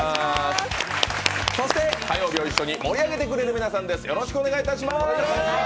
そして火曜日を一緒に盛り上げてくれる皆さんです。